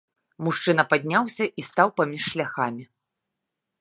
Мужчына падняўся і стаў паміж шляхамі.